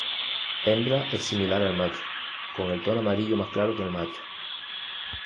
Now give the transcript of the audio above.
Hembra es similar al macho, con el tono amarillo más claro que el macho.